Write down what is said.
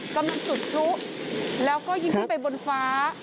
กำลังจุดพลุแล้วก็ยิงขึ้นไปบนฟ้า